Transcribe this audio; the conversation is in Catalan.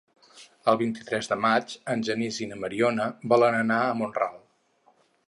El vint-i-tres de maig en Genís i na Mariona volen anar a Mont-ral.